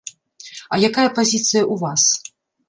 А якая пазіцыя ў вас?